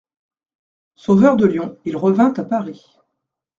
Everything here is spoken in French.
Sauveur de Lyon, il revint à Paris.